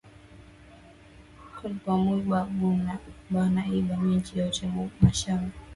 Ba mwiji bana iba minji yote mu mashamba